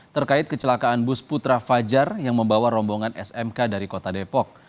terkait kecelakaan bus putra fajar yang membawa rombongan smk dari kota depok